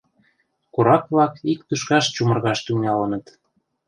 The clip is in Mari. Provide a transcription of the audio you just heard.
Корак-влак ик тӱшкаш чумыргаш тӱҥалыныт.